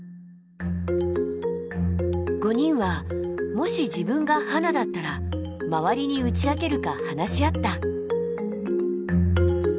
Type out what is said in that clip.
５人はもし自分がハナだったら周りに打ち明けるか話し合った。